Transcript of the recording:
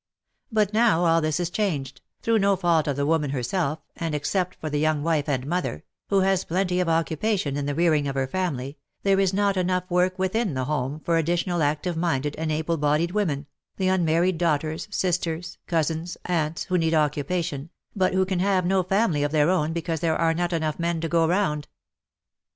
But now all this is changed, through no fault of the woman her self, and, except for the young wife and mother, who has plenty of occupation in the rearing of her family, there is not enough work within the home for additional active minded and able bodied women, the unmarried daughters, sisters, cousins, aunts, who need occupation, but who can have no family of their own because there are not enough men to go round.